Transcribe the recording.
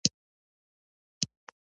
دوهويشت، دريويشت، څلرويشت، پينځهويشت